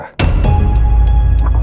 ya udah pak